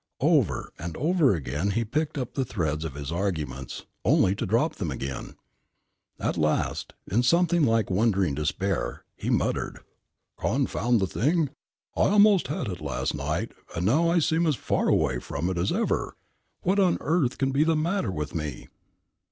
Over and over again he picked up the threads of his arguments, only to drop them again. At last, in something like wondering despair, he muttered: "Confound the thing! I almost had it last night, and now I seem as far away from it as ever. What on earth can be the matter with me?"